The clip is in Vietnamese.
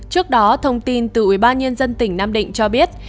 trước đó thông tin từ ủy ban nhân dân tỉnh nam định cho biết